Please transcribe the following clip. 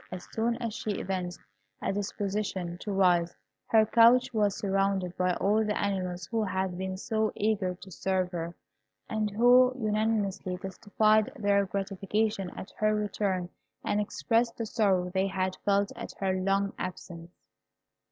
As soon as she evinced a disposition to rise, her couch was surrounded by all the animals who had been so eager to serve her, and who unanimously testified their gratification at her return, and expressed the sorrow they had felt at her long absence.